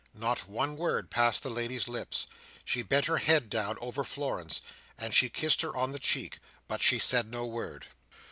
Not one word passed the lady's lips. She bent her head down over Florence, and she kissed her on the cheek, but she said no word.